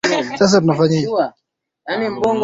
Asiye na wake ana Mungu.